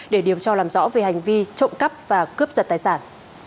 để điều tra làm rõ về hành vi trộm cắp và cướp giật tài sản